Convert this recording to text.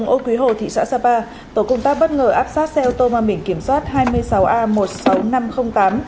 ô quý hồ thị xã sapa tổ công tác bất ngờ áp sát xe ô tô mang biển kiểm soát hai mươi sáu a một mươi sáu nghìn năm trăm linh tám